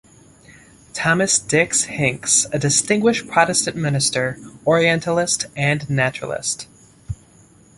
Thomas Dix Hincks, a distinguished Protestant minister, orientalist and naturalist.